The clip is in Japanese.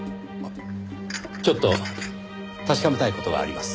ちょっと確かめたい事があります。